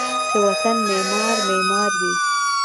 چې و طن معمار ، معمار وی